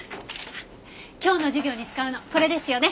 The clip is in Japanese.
今日の授業に使うのこれですよね？